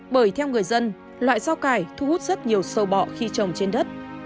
bởi theo người dân loại rau cải thu hút rất nhiều sâu bọ khi trồng trên đất